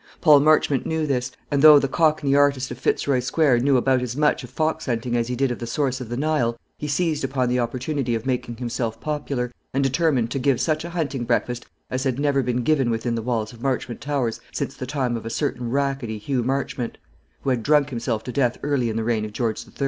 Paul Marchmont knew this; and though the Cockney artist of Fitzroy Square knew about as much of fox hunting as he did of the source of the Nile, he seized upon the opportunity of making himself popular, and determined to give such a hunting breakfast as had never been given within the walls of Marchmont Towers since the time of a certain rackety Hugh Marchmont, who had drunk himself to death early in the reign of George III.